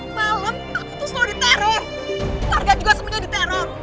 dalia dalia dalia